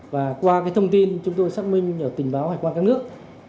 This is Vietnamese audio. và qua thông tin chúng tôi xác minh nhờ tình báo hải quan các nước